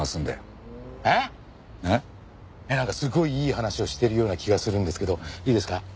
なんかすごいいい話をしてるような気がするんですけどいいですか？